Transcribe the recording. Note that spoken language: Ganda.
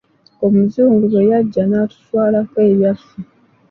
Omuzungu bwe yajja n'atutwalako ebyaffe.